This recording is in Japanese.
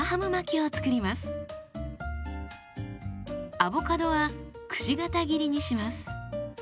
アボカドはくし形切りにします。